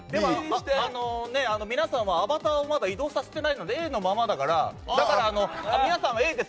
皆さんはアバターをまだ移動させていないのでＡのままだからだから、皆さんはＡです。